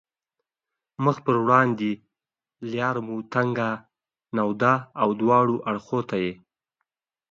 مخ په وړاندې لار مو تنګه، لنده او دواړو اړخو ته یې.